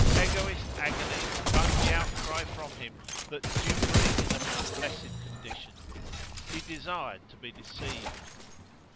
Egoist agony wrung the outcry from him that dupery is a more blessed condition. He desired to be deceived.